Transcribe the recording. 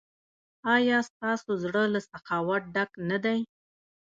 ایا ستاسو زړه له سخاوت ډک نه دی؟